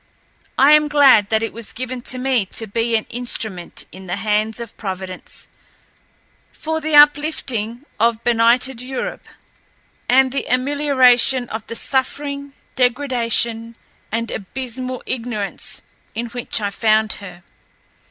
I am glad that it was given to me to be an instrument in the hands of Providence for the uplifting of benighted Europe, and the amelioration of the suffering, degradation, and abysmal ignorance in which I found her.